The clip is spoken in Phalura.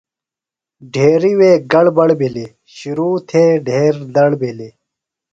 ڈھیریۡ وے گڑ بڑ بِھلیۡ، شِروۡ تھے ڈہیر دڑ بِھلیۡ